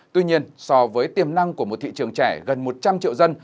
tuy nhiên so với tiềm năng của một thị trường trẻ gần một trăm linh triệu dân